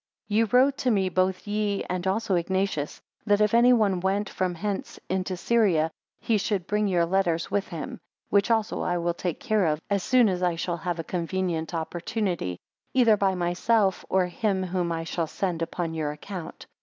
13 Ye wrote to me, both ye, and also Ignatius, that if any one went from hence into Syria, he should bring your letters with him; which also I will take care of, as soon as I shall have a convenient opportunity; either by myself, or him whom I shall send upon your account.